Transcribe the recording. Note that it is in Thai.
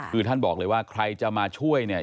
คือท่านบอกเลยว่าใครจะมาช่วยเนี่ย